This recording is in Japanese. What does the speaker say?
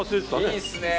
いいですね！